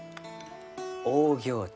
オーギョーチ。